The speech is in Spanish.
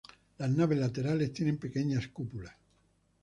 Las naves laterales tienen pequeñas cúpulas.